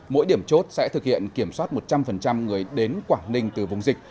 mỗi điểm chốt sẽ thực hiện kiểm soát một trăm linh người đến quảng ninh từ vùng dịch